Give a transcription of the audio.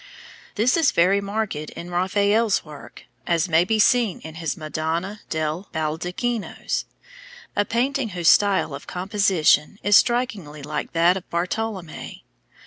This is very marked in Raphael's work, as may be seen in his Madonna del Baldacchino, a painting whose style of composition is strikingly like that of Bartolommeo.